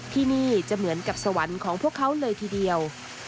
ที่นี่จะเหมือนกับสวรรค์ของพวกเขาเลยทีเดียว